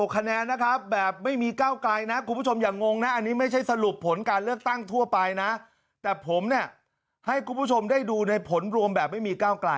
คะแนนนะครับแบบไม่มีก้าวไกลนะคุณผู้ชมอย่างงงนะอันนี้ไม่ใช่สรุปผลการเลือกตั้งทั่วไปนะแต่ผมเนี่ยให้คุณผู้ชมได้ดูในผลรวมแบบไม่มีก้าวกลาย